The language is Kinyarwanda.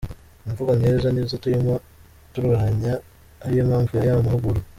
Imvugo nk’izo ni zo turimo turwanya ari yo mpamvu y’aya mahugurwa”.